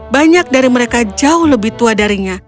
banyak dari mereka jauh lebih tua darinya